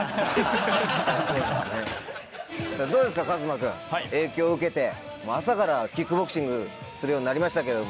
壱馬君影響受けて朝からキックボクシングするようになりましたけど。